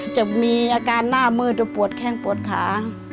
จะมีอาการหน้ามืดจะปวดแข้งปวดขา